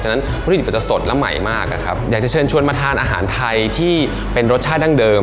ฉะวัตถุดิบมันจะสดและใหม่มากนะครับอยากจะเชิญชวนมาทานอาหารไทยที่เป็นรสชาติดั้งเดิม